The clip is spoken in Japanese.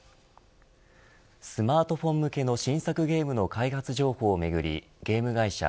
スマートフォン向けの新作ゲームの開発情報をめぐりゲーム会社